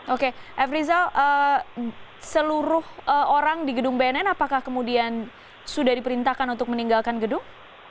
oke f rizal seluruh orang di gedung bnn apakah kemudian sudah diperintahkan untuk meninggalkan gedung